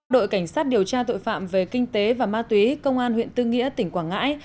đội cảnh sát điều tra tội phạm về kinh tế và ma túy công an huyện tư nghĩa tỉnh quảng ngãi